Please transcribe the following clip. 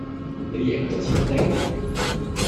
你贏我就切丁